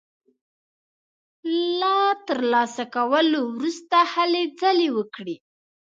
له تر لاسه کولو وروسته هلې ځلې وکړي.